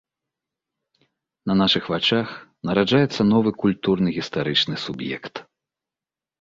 На нашых вачах нараджаецца новы культурна-гістарычны суб'ект.